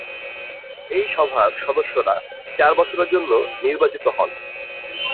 এই সভার সদস্যরা চার বছরের জন্য নির্বাচিত হন।